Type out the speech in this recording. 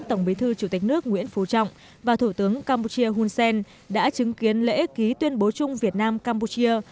tổng bí thư chủ tịch nước nguyễn phú trọng và thủ tướng campuchia hun sen đã chứng kiến lễ ký tuyên bố chung việt nam campuchia